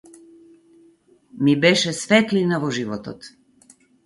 Ми беше светлина во животот.